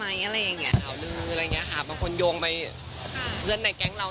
อะไรอย่างเงี้ข่าวลืออะไรอย่างเงี้ค่ะบางคนโยงไปเพื่อนในแก๊งเรา